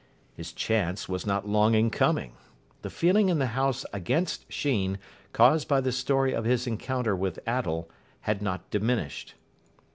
His chance was not long in coming. The feeling in the house against Sheen, caused by the story of his encounter with Attell, had not diminished.